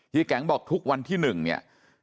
เฮียแก๋งบอกทุกวันที่หนึ่งเนี่ย